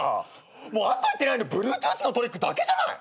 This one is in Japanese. もうあと言ってないのＢｌｕｅｔｏｏｔｈのトリックだけじゃない？